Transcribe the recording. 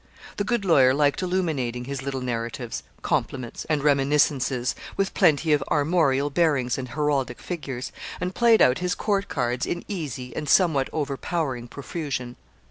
The good lawyer liked illuminating his little narratives, compliments, and reminiscences with plenty of armorial bearings and heraldic figures, and played out his court cards in easy and somewhat overpowering profusion.